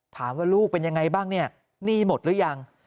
ถามว่าลูกเป็นยังไงบ้างนี่หนี้หมดหรือยัง